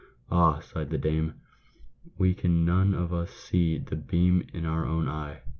" Ah !" sighed the dame, " we can none of us see the beam in our own eye."